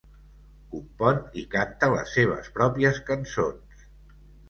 Compon i canta les seves pròpies cançons.